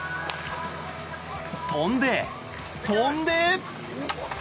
飛んで、飛んで。